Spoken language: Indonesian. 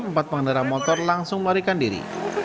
empat pengendara motor langsung melarikan diri